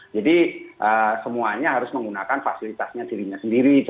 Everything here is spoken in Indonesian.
jadi semuanya harus menggunakan fasilitasnya dirinya sendiri